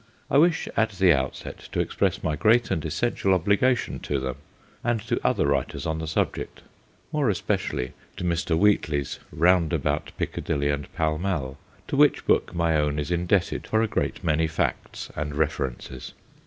I wish at the outset to express my great and essential obligation to them and to other writers on the subject, more especially to Mr. Wheatley's Round about Piccadilly and Pall Mall, to which book my own is indebted for a great many facts and references.